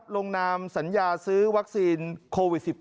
ลงนามสัญญาซื้อวัคซีนโควิด๑๙